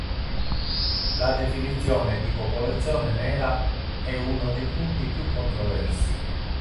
La definizione di popolazione nera è uno dei punti più controversi.